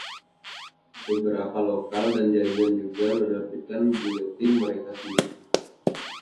Beberapa lokal dan jaringan juga menerbitkan buletin mereka sendiri.